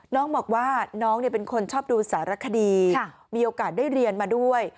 น้องบอกว่าน้องเป็นคนชอบดูสารคดีมีโอกาสได้เรียนมาด้วย